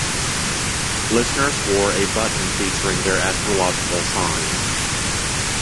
Listeners wore a button featuring their astrological sign.